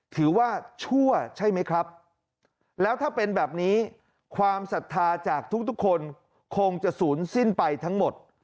ชั่วใช่ไหมครับแล้วถ้าเป็นแบบนี้ความศรัทธาจากทุกคนคงจะศูนย์สิ้นไปทั้งหมด